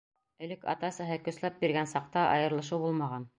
Элек ата-әсәһе көсләп биргән саҡта, айырылышыу булмаған.